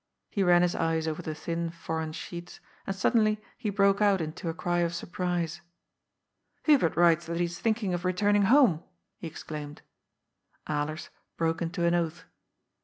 He ran liis eyes over the thin foreign sheets, and suddenly he broke out into a cry of surprise. " Hubert writes that he is thinking of returning home I ^ he exclaimed. Alers broke into an oath.